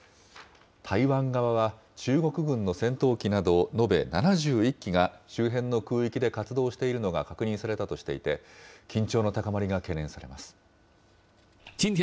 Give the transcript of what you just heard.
台湾側は、中国軍の戦闘機など延べ７１機が周辺の空域で活動しているのが確認されたとしていて、緊張の高まりが懸念されます。